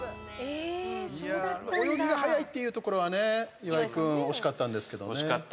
泳ぎが速いっていうところは岩井君、惜しかったんですけど。